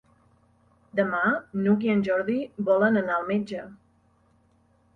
Demà n'Hug i en Jordi volen anar al metge.